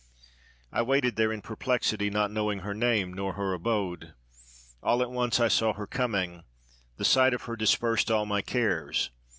I waited there in perplexity, not knowing her name nor her abode. All at once I saw her coming; the sight of her dispersed all my cares.